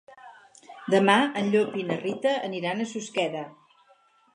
Demà en Llop i na Rita aniran a Susqueda.